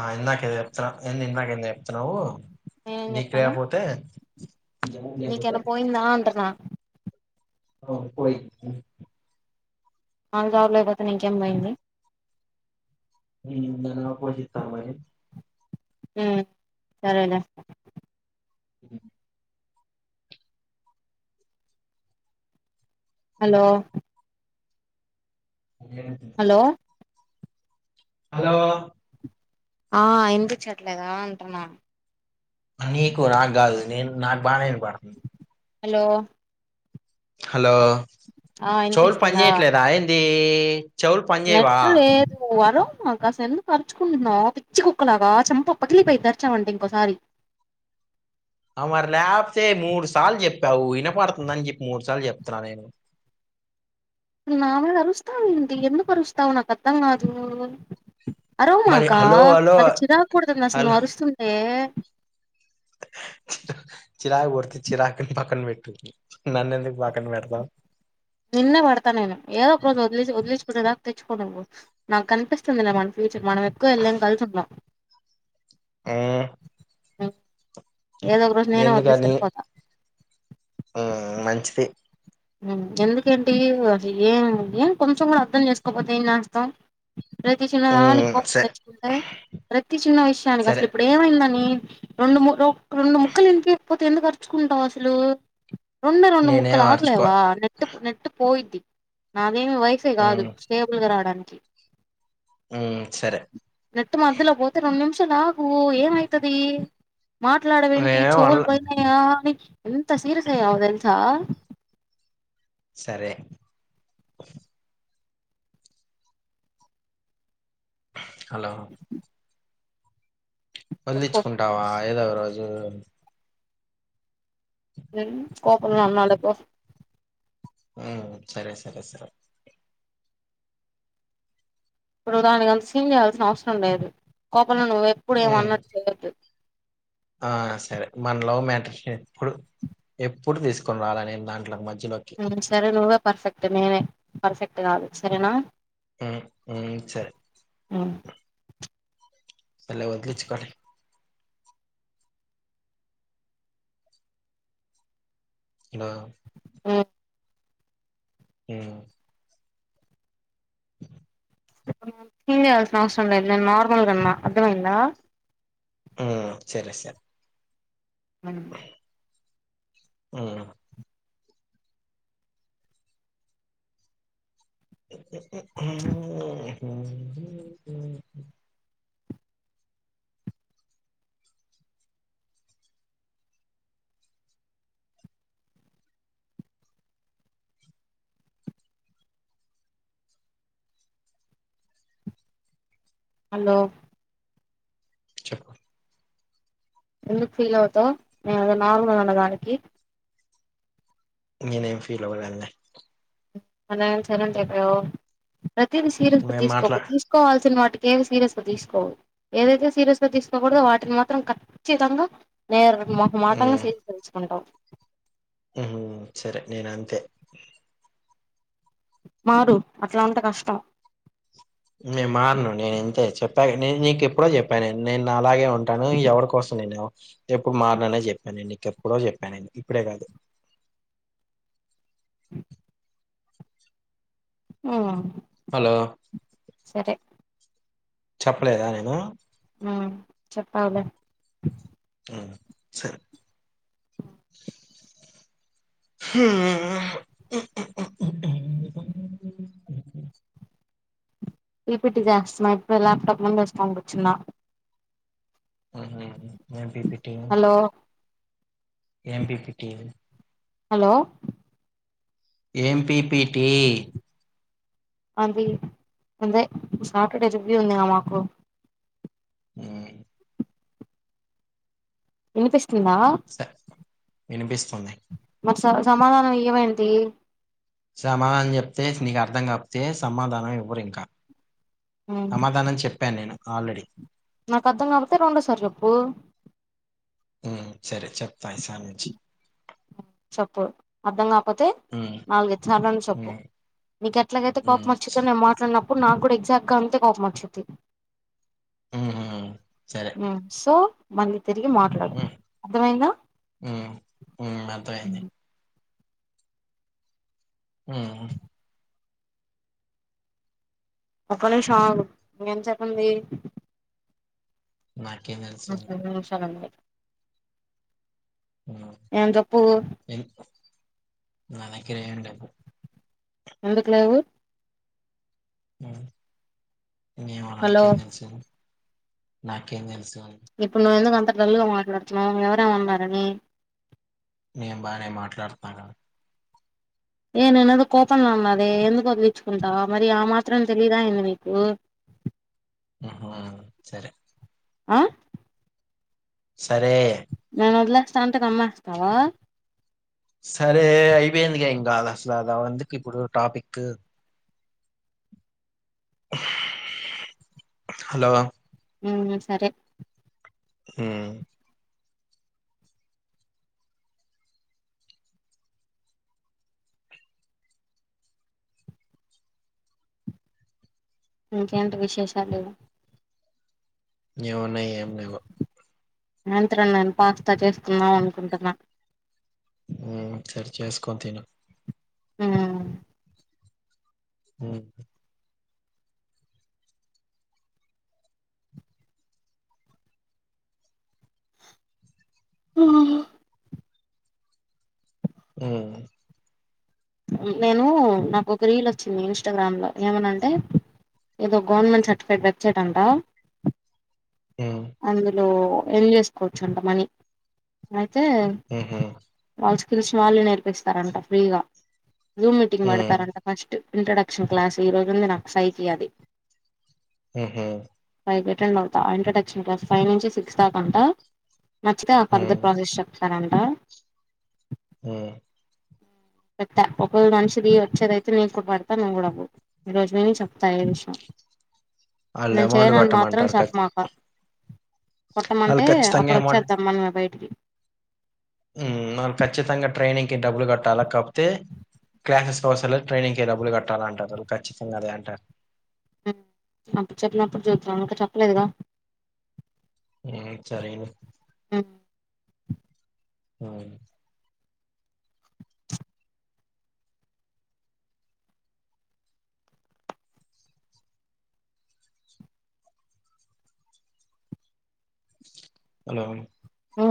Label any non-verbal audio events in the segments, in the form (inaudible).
ఆ ఎకదు ఎ ఎ ఇన్నాకంది న్నావ్వు నేనేం నీకు లేయకపోతే నక పోయిందాంటనా ఆ పోయింద్దీ ఆందుాబలోయిపోతే ఇంకేం పోయింది పోయి చెతారు మ హ్మ్ సరే లే (inaudible) హలో ఏ హలో హలో ఆ ఇనిపించట్లేదా అంటున్నా అన్నికు రా కాదు నేను నా బాణర్ పాడు హలో హలో ఆ చవులు పని చేయట్లేదా ఏంది చెవులు పని చేయవా నెట్లు ఏదు అను అస ఎందుకు తరుచుకుంటున్నా పిచ్చి కుక్కలాగా చంప పకిలిపోయి దరిచామంటే ఇంకోసారి (inaudible) ఆ మరి లేకపోతే మూడు సార్లు చెప్పావు వినపడుతుందని చెప్పి మూడు సార్లు చెప్తున్నా నేను నామే అరుస్తావు ఏంటి ఎందుకు అరుస్తావు నాకు అర్థం కాదు మరి అరవమాకా హలో హలో మళ్ళీ చిరాకూడదంది అసలు హలో మరుస్తుండే చ చిరాా్ పర్తే చరాకు పక్కం పెట్టు నన్నెందుకు పక్కం పెడద నిన్నే పడతా తెచ్చుకోవడం నాకు కనిపిస్తుందిలే మన ఫ్యూచర్ మనం ఎక్కువ వెళ్ళాం కలుసుంటాం ఆ ఏదో ఒకోశ నేను వ ఎందుకని సరిపోదా ఉమ్ మంచిది ఎందుకేంటి అస ఏం ఏం కొంచెం కూడా అర్ధం చేసుకోపోతే ఏం చేస్తాం రతి చిన్నదా అ ఉమ్ స కోమం వచ్చుకుంటే ప్రతి చిన్న విషయానికి సరే అసలు ఇప్పుడు ఏమైందని రెండు రెండు ముక్కలు ఇ కపోతే ఎందు ఖర్చుకుంటావు అసలు రెండు రెండు నేనేం ముక్కలు అర్చుకో ఆగలేవా నెట్టు నెట్టు పోయిద్ది నాదేమి వయసే కాదు ఉమ్ స్టేబుల్ గా రావడానికి ఉమ్ సరే నెట్ మధ్యలో పోతే రెం చలు ఆగు ఏమవుతది మాట్లాడవెంట నేనేం చొవులు అనలే బనాయా ఎంత సీరియస్ అయ్యావో తెలుసా సరే హలో వదిలిచ్చుకుంటావా ఏదో ఒక రోజు ఉ కోపడ నాకు ఉ సరే సరే సరే ఇప్పుడు దానికి అంత సీమ్ చేయాల్సిన అవసరం లేదు కోపలు నువ్వు ఎప్పుడు ఉమ్ ఏమన్నట్టు చేయ్యద్దు ఆ సరే మన లవ్ మ్యాటేజ్ ఎప్పుడు ఎప్పుడు తీసుకుని రాలని దాంట్లకు మ సర నువ్వే పర్ఫెక్ట్ మేనే పర్ఫెక్ట్ కాదు సరేనా ఉ ఉ సరే అల వదిలిచుకోండి హలో ఉ ఉ క్లీన్ చేయాల్సిన అవసరం ఉ లేదు నేను నార్మల్ కన్నా అర్థమైందా ఉ సరే స మనం ఆ ఉమ్, హలో చెప్పు ఎందుకు ఫీల్ అవుతావు నేను నార్మల్ అన్నదానికి నేనేం ఫీల్ అవ్వలేదులే మరేం సైలెంట్ అయిపోయావు ప్రతిదీ సీరియస్ నువ్వేం మాట్లా తీసుకోకు తీసుకోవాల్సిన వాటికి ఏమి సీరియస్ గా తీసుకోవదు ఏదైతే సీరియస్ గా తీసుకోకూడదు వాటిని మాత్రం క ఖచ్చితంగా నేండు ముఖ మాటంగా ఉమ్ ససి తెలుసుకుంటావు ఉహు సరే నేను అంతే మారు అట్లా ఉంటే కష్టం నే మారను నేను ఇంతే చెప్పాను నీకు ఎప్పుడో చెప్పానును నేను నాలాగే ఉ ఉంటాను ఎవరి కోసం నేను ఎప్పుడు మారిననే చెప్పా నేను నీకెప్పుడో చెప్పాను నేను ఇప్పుడే కాదు మ్ హలో సరే చెప్పలేదా నేను మ్ చెప్పావులే సరే హూ ఉ ఉ ఉ ఉ ఉ ఉ ఉ ఊ పిపిటీ చేస్తాన్నా ఇప్పుడు ల్యాప్టాప్ ముందేసుకొని కూర్చున్నా మ్ హూ ఏమ్ పిపిటి హలో ఏం పిపిటి హలో ఏం పిపిటీ అవి అదే సాటర్డే రివ్యూ ఉందిగా మాకు మ్ వినిపిస్తుందా వినిపిస్తుంది. సమాదానం ఇయ్యవేంటి, సమాధానం చెప్తే నీకు అర్థం కాపోతే సమాధానం ఇవ్వరు ఇంకా ఉమ్ సమాధానం చెప్పాను నేను ఆల్రెడీ నాకు అర్థం కాకపోతే రెండోసారి చెప్పు ఉ సరే చెప్తా ఈసారి నుంచి చెప్పు అర్ధం కాకపోతే హ్మ్. నాలుగు ఐదు సార్లైన చెప్పు హ్మ్. మీకు ఎట్లాగైతే హ్మ్. కోపం వచ్చిదో నేను మాట్లాడినప్పుడు, నాకు కూడా ఎగ్జాక్ట్ గా అంతే కోపం వచ్చిది. హ్మ్. హ్మ్. సరే. మ్ సో మళ్లీ తిరిగి మాట్లాడు హ్మ్. అర్థమైందా అయింది హు ఒక్కనిమిషం ఆగు ఇంక ఎంతసేపు ఉంది. నాకేం తెలుసు? రెండు నిమిషాలు ఉంది హ్మ్. ఎమన్న చెప్పు ఎన్ నా దగ్గర ఏం లేవు ఎందుకు లేవు మ్ ఏమో హలో నాకేం తెలుసు, నాకేం తెలుసు ఇప్పుడు నువ్వు ఎందుకు అంత డల్లుగా మాట్లాడుతున్నావు ఎవరేమన్నారని నేను బానే మాట్లాడుతున్నా గా ఏ నేనదో కోపంలో అన్న అది ఎందుకు వదిలించుకుంటా మరి ఆ మాత్రం తెలిదా ఏంది నీకు (unintelligible) ఆ సరే అ సరే నేను వదిలేస్తా అంటే నమ్మేస్తావా సరే అయిపోయిందిగ ఇంగా అసలు అవందుకి ఇప్పుడు టాపిక్ హలో ఉమ్ సరే ఉ ఇంకేంటి విశేషాలు ఏమున్నాయి ఏమ్ లేవు సాయంత్రం నేను పాస్తా చేసుకుందాం అనుకుంటున్నా, సరె చేసుకొని తిను ఉ హు హ ఆ నేను నాకు ఒక రీల్ వచ్చింది. ఇన్స్టాగ్రామ్ లో ఏమనా అంటే, ఏదో గవర్నమెంట్ సర్టిఫికేట్ వెబ్సైట్ అంటా హ్మ్. అందులో ఎర్న్ చేసుకోవచ్చు, అంట మనీ అ అయితే ఉహు వాళ్ళు స్కిల్స్ వాళ్ళు నేర్పిస్తారంట ఫ్రీగా జూమ్ మీటింగ్ ఉమ్ పెడతారంట, ఫస్ట్ ఇంట్రొడక్షన్ క్లాస్ ఈ రోజుంది నాకు ఫైకి అది ఆహ అది రిటెన్ పంపుతా ఇంట్రడక్షన్ అంట ఫైవ్ నుంచి సిక్స్ దాకా అంట నచ్చితే ఆ పార్ధుష ఉమ్ ప్రాజెక్ట్ ఇస్తారంట ఉ పెట్టా ఒక మనిషిది వచ్చేదియితే నే ఇపుడు పడతా నువ్వు కూడా అవు ఈ రోజు విని చెప్తా ఏ విషయం ఆళ్ళు నేను అమౌంట్ చేయనని మాత్రం కట్టమంటారు ఖచ్ చెపమాక ఆళ్ళు కొట్టమంటే ఖచ్చితంగా అప్పుడు వచ్చేదాం మనమే బయటికి మనం ఖచ్చితంగా ట్రైనింగ్ కి డబ్బులు కట్టాలా కాకపోతే క్లాసెస్ కోసలే ట్రైనింగ్కి డబ్బులు కట్టాలి అంటారు వాళ్ళు ఖచ్చితంగా అదే అంటారు అప్పుడు చెప్పినప్పుడు చూతు ఇకా చెప్పలేదుగా హ్మ్మ్ సరే ఇంగ హలో ఉ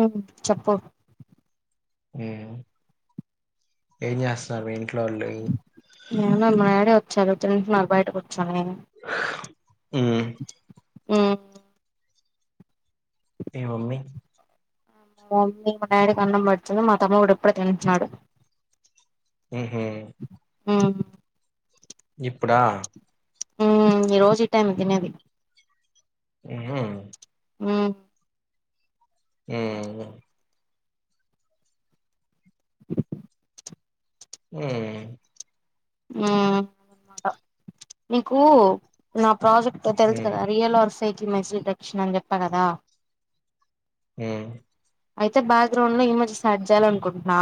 చెప్పు ఊ ఏమి చేస్తున్నావు ఏంటి మా ఆయన వచ్చాడు తింటున్నాడు బయట కూర్చొని ఉమ్ హ్మ్మ్ ఏ మమ్మీ మా మమ్మీ మా డాడీకి అన్నం పడుతుంది మా తమ్ముడు ఇప్పుడే తిని వచాడు ఉహు హు ఇప్పుడా ఈ రోజు ఈ టైం తినేది హ్మ్మ్ హ్మ్మ్ హ్మ్మ్ హ్మ్మ్ అ నీకు నా ప్రాజెక్ట్ తెలుసు ఉమ్ కదా రియల్ ఆర్సైజకి మెసిలిటక్షన్ అని చెప్పా కదా హ్మ్మ్ అయితే బ్యాక్గ్రౌండ్ లో ఇమేజ్ స్టార్ట్ చేయాల అనుకుంటున్నా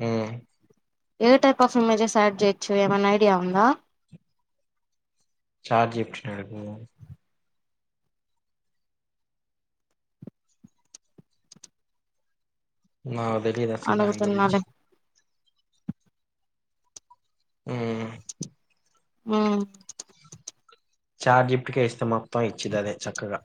హ్మ్మ్ ఏ టైప్ ఆఫ్ ఇమేజెస్ యాడ్ చేయొచ్చు ఏమైనా ఐడియా ఉందా చాట్ జిపిటి నీ అడుగు నాకు తెలియదు అసలు దాని గురించి అడుగుతున్నాలే హ్మ్మ్ హ్మ్మ్ చాట్ జిపిటి కే ఇస్తా మొత్తం ఇచూధి అదే చక్కగా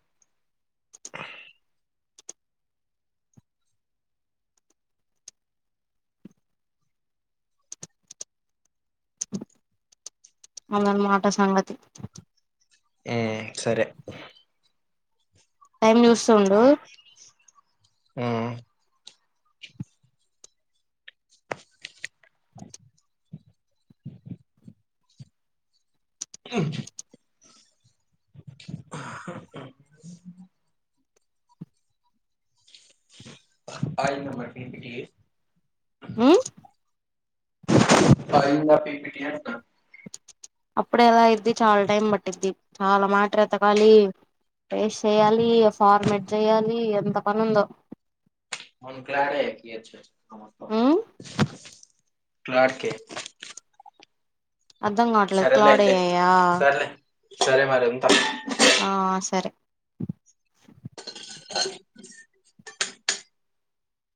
అదన్న మాట సంగతి హ్మ్మ్ సరే టైమ్ చూస్తూ ఉండు హ్మ్మ్ ఆయినా మా ఇంటికి ఉమ్ అయింద అప్పుడ ఎలా అయిద్ది చాలా టైం పట్టిద్ది చాలా మ్యాటర్ ఎతకాలి పేస్ చెయాలి ఫార్మట్ చెయాలి ఎంత పని ఉందో (unintelligible) ఉమ్ క్లారికె అర్థం కావట్లేదు క్లౌడ్ అయ్యాయా సర్లే సరే మరి ఉంటా సరే అ